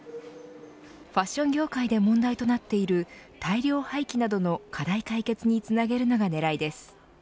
ファッション業界で問題となっている大量廃棄などの課題解決につなげるのが狙いです。